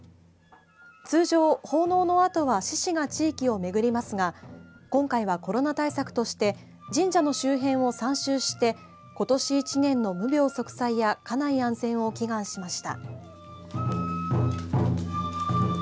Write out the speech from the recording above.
通常、奉納の後は獅子が地域を巡りますが今回は、コロナ対策として神社の周辺を３周してことし１年の無病息災や家内安全を祈願しました。